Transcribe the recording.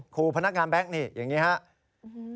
ครูพนักงานแบงค์นี่อย่างนี้ครับ